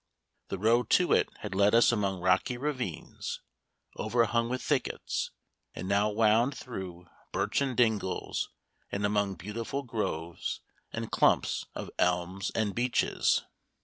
The road to it had led us among rocky ravines overhung with thickets, and now wound through birchen dingles and among beautiful groves and clumps of elms and beeches.